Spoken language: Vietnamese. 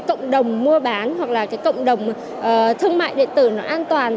cộng đồng mua bán hoặc là cộng đồng thương mại điện tử an toàn